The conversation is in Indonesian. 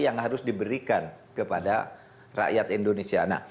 yang harus diberikan kepada rakyat indonesia